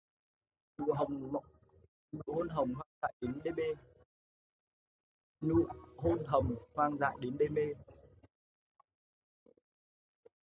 Nụ hôn nồng hoang dại đến đê mê.